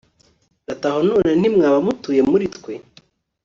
bati aho none ntimwaba mutuye muri twe